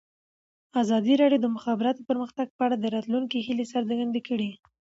ازادي راډیو د د مخابراتو پرمختګ په اړه د راتلونکي هیلې څرګندې کړې.